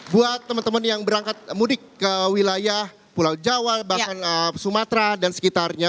buat teman teman yang berangkat mudik ke wilayah pulau jawa bahkan sumatera dan sekitarnya